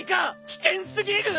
危険過ぎる！